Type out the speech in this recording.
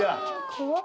怖っ！